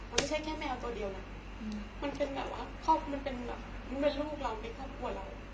มันไม่ใช่แค่แมวตัวเดียวนะมันเป็นแบบว่ามันเป็นแบบมันเป็นลูกเราเป็นครอบครัวเรา